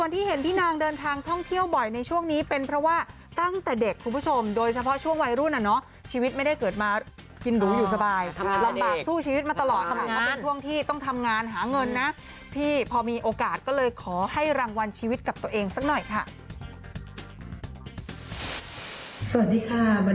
แต่พี่นางมีเพราะว่าทำอยู่ทำกี้เนื้อประมาณนึงค่ะ